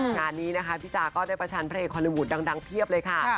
งานนี้นะคะพี่จาก็ได้ประชันเพลงฮอลลีวูดดังเพียบเลยค่ะ